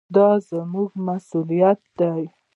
دا زموږ مسوولیت دی.